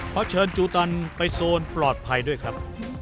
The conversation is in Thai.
เพราะเชิญจูตันไปโซนปลอดภัยด้วยครับ